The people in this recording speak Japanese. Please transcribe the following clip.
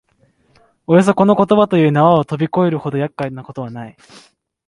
およそこの言葉という縄をとび越えるほど厄介なことはない